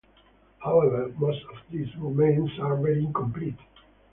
However, most of these remains are very incomplete.